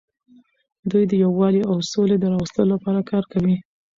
دوی د یووالي او سولې د راوستلو لپاره کار کوي.